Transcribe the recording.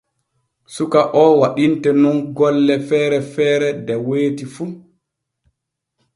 Suka o waɗinte nun golle feere feere de weeti fu.